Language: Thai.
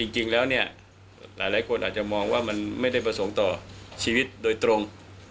จริงแล้วเนี่ยหลายคนอาจจะมองว่ามันไม่ได้ประสงค์ต่อชีวิตโดยตรง